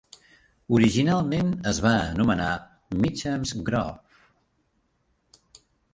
Originalment es va anomenar Meacham's Grove.